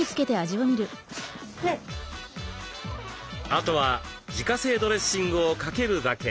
あとは自家製ドレッシングをかけるだけ。